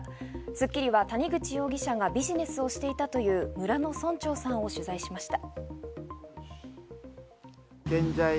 『スッキリ』は谷口容疑者がビジネスをしていたという村の村長さんを取材しました。